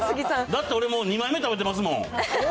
だってもう俺、２枚目食べてますもん。